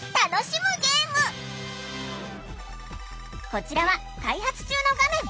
こちらは開発中の画面。